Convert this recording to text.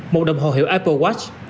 một đồng hồ hiệu apple watch